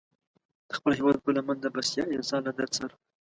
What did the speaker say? د خپل هېواد پر لمن د بسیا انسان له درد سره.